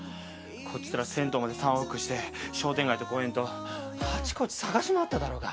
こちとら銭湯まで３往復して商店街と公園とあちこち捜し回っただろうが。